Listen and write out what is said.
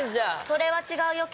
それは違うよ